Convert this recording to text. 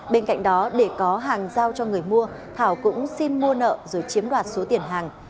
bên cạnh đó để có hàng giao cho người mua thảo cũng xin mua nợ rồi chiếm đoạt số tiền hàng